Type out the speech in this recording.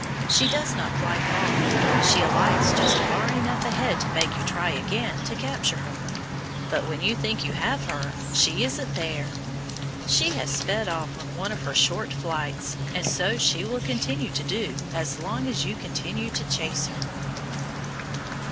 She does not fly far she alights just far enough ahead to make you try again to capture her, but when you think you have her, she isn't there! She has sped off on one of her short flights, and so she will continue to do as long as you continue to chase her.